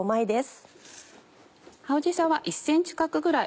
青じそは１ｃｍ角ぐらい。